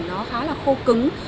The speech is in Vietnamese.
nó khá là khô cứng